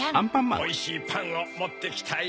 おいしいパンをもってきたよ。